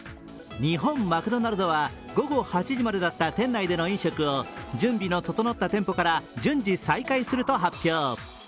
日本マクドナルドは午後８時までだった店内での飲食を準備の整った店舗から順次再開すると発表。